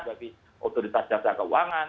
bagi otoritas jasa keuangan